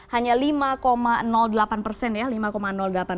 hanya lima delapan persen